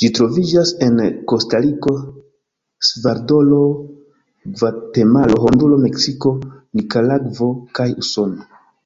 Ĝi troviĝas en Kostariko, Salvadoro, Gvatemalo, Honduro, Meksiko, Nikaragvo kaj Usono.